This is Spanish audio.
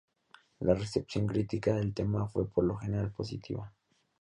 La recepción crítica del tema fue por lo general positiva.